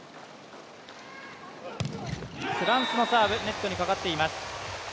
フランスのサーブ、ネットにかかっています。